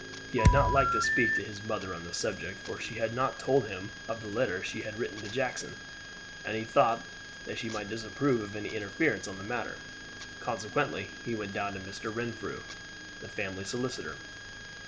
He had not liked to speak to his mother on the subject, for she had not told him of the letter she had written to Jackson; and he thought that she might disapprove of any interference in the matter, consequently he went down to Mr. Renfrew, the family solicitor.